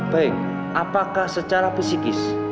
baik apakah secara pesikis